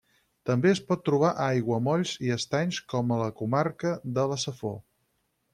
També es pot trobar a aiguamolls i estanys com a la comarca de la Safor.